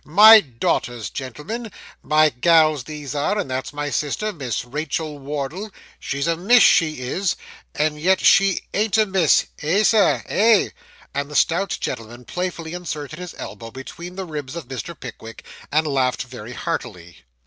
My daughters, gentlemen my gals these are; and that's my sister, Miss Rachael Wardle. She's a Miss, she is; and yet she ain't a Miss eh, Sir, eh?' And the stout gentleman playfully inserted his elbow between the ribs of Mr. Pickwick, and laughed very heartily.